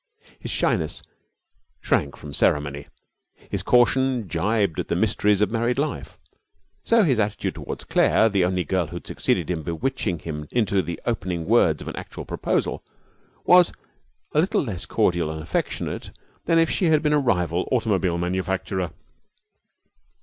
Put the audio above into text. His shyness shrank from the ceremony, his caution jibbed at the mysteries of married life. So his attitude toward Claire, the only girl who had succeeded in bewitching him into the opening words of an actual proposal, was a little less cordial and affectionate than if she had been a rival automobile manufacturer.